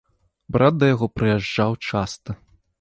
Брат да яго прыязджаў часта.